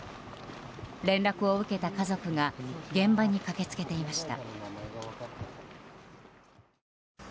連絡を受けた家族が現場に駆けつけていました。